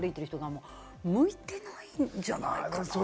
向いてないんじゃないかな。